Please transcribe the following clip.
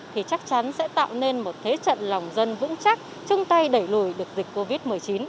thì chắc chắn sẽ tạo nên một thế trận lòng dân vững chắc chung tay đẩy lùi được dịch covid một mươi chín